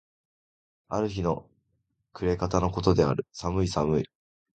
ある日の暮方の事である。寒い寒い。